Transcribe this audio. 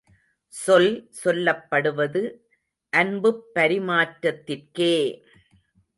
சொல் சொல்லப்படுவது அன்புப் பரிமாற்றத்திற்கே!